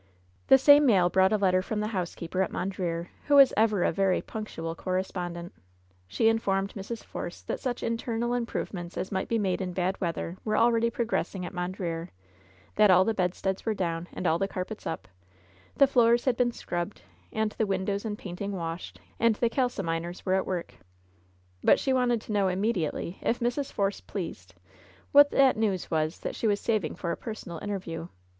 The same mail brought a letter from the housekeeper at Mondreer, who was ever a very punctual cor respondent. She informed Mrs. Force that such internal improve ments as might be made in bad weather were already progressing at Mondreer — ^that all the bedsteads were down, and all the carpets up, the floors had been scrubbed, and the windows and painting washed, and the kalsominers were at work. But she wanted to know immediately, if Mrs. Force pleased, what that news was that she was saving for a personal interview.